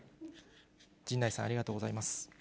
陣内さん、ありがとうございます。